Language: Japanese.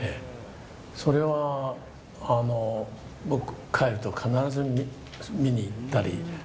それは僕帰ると必ず見にいったり。